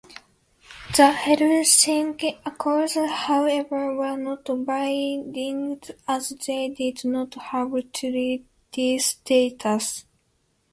The Helsinki Accords, however, were not binding as they did not have treaty status.